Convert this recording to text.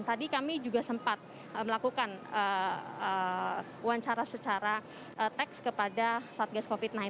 tadi kami juga sempat melakukan wawancara secara teks kepada satgas covid sembilan belas